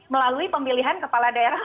melalui pemilihan kepala daerah